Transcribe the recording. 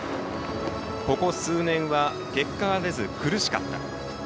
ここ数年は結果が出ず苦しかった。